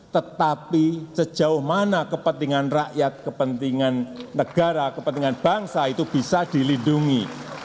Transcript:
tetapi sejauh mana kepentingan rakyat kepentingan negara kepentingan bangsa itu bisa dilindungi